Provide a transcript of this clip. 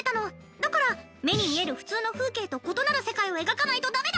だから「目に見える普通の風景と異なる世界を描かないとダメだ！